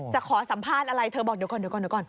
จะขอสัมภาษณ์อะไรเธอบอกเดี๋ยวก่อน